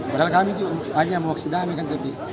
padahal kami hanya mewaksidami kan